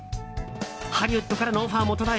ハリウッドからのオファーも途絶え